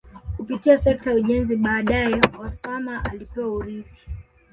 kupitia sekta ya ujenzi baadae Osama alipewa urithi